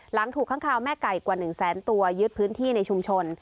หลังถูกค้างคาวแม่ไก่กว่า๑แสนตัวยึดพื้นที่ในชุมชน